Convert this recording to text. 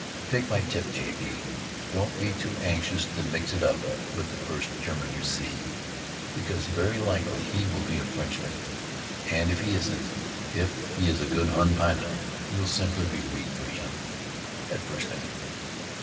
"Take my tip, J. B., don't be too anxious to mix it with the first German you see, because very likely he will be a Frenchman, and if he isn't, if he is a good Hun pilot, you'll simply be meat for him at first, I mean."